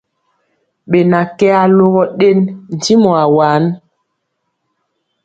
Ɓena kɛ alogɔ ɗen ntimɔ awaan ?